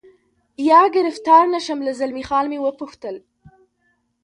یا ګرفتار نه شم، له زلمی خان مې و پوښتل.